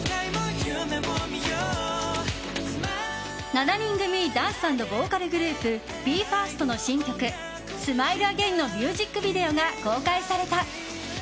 ７人組ダンス＆ボーカルグループＢＥ：ＦＩＲＳＴの新曲「ＳｍｉｌｅＡｇａｉｎ」のミュージックビデオが公開された。